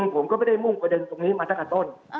ผมก็ไม่ได้มุ่งไปเดินตรงนี้มาจากข้างต้น